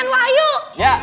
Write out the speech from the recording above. betul sekali untuk grup a